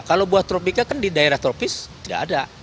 kalau buah tropika kan di daerah tropis tidak ada